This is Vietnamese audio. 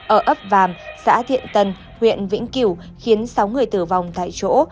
ở ấp vàm xã thiện tân huyện vĩnh kiểu khiến sáu người tử vong tại chỗ